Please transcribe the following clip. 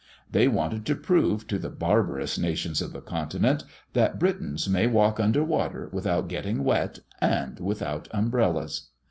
"They wanted, to prove to the barbarous nations of the Continent, that Britons may walk under water without getting wet and without umbrellas."